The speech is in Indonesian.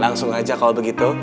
langsung aja kalau begitu